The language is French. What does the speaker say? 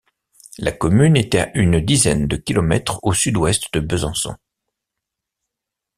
La commune est à une dizaine de kilomètres au sud-ouest de Besançon.